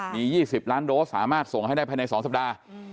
มี๒๐ล้านโดสสามารถส่งให้ได้ภายใน๒สัปดาห์